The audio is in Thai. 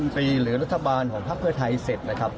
ปีหรือรัฐบาลของพักเพื่อไทยเสร็จนะครับ